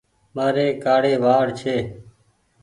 مآري ڪآڙي وآڙ ڇي۔